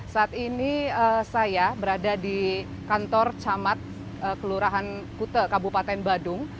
saat ini saya berada di kantor camat kelurahan kute kabupaten badung